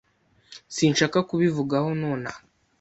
Sinshaka kubivugaho nonaha.